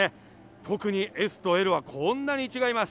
特にＳとＬはこんなに違います。